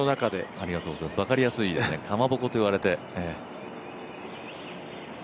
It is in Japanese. ありがとうございます、分かりやすいですね、かまぼこと言われて。